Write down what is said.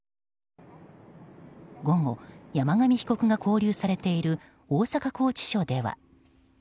午後、山上被告が拘留されている大阪拘置所では。